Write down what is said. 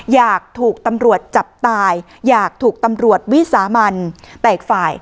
อยากถูกตำรวจจับตายอยากถูกตำรวจวิสามันแต่อีกฝ่าย